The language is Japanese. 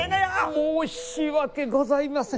申し訳ございません。